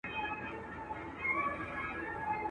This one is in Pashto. له تش چمن او لاله زار سره مي نه لګیږي.